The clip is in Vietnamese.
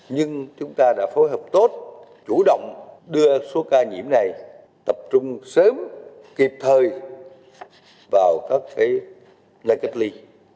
nhưng chúng ta đã phối hợp tốt chủ động đưa số ca nhiễm này tập trung sớm kịp thời vào các nơi cách ly